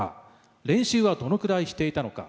「練習はどのくらいしていたのか？」